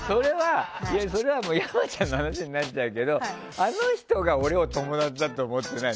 それは山ちゃんの話になっちゃうけどあの人が俺を友達だと思ってない。